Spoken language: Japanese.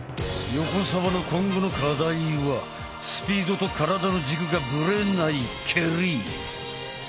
横澤の今後の課題はスピードと体の軸がブレない蹴り。